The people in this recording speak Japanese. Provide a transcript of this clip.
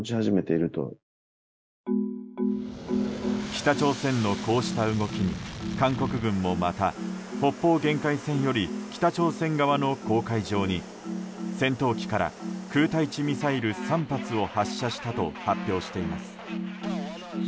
北朝鮮のこうした動きに韓国軍もまた北方限界線より北朝鮮側の公海上に戦闘機から空対地ミサイル３発を発射したと発表しています。